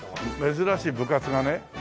珍しい部活がね。